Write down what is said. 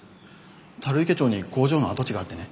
樽池町に工場の跡地があってね